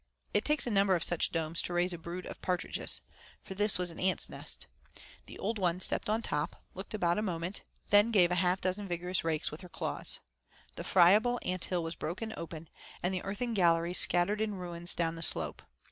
It takes a number of such domes to raise a brood of partridges. For this was an ant's nest. The old one stepped on top, looked about a moment, then gave half a dozen vigorous rakes with her claws, The friable ant hill was broken open, and the earthen galleries scattered in ruins down the slope.